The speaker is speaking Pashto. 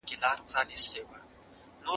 زموږ په تاریخ کي داسي چټک پرمختګ سابقه نه لرله.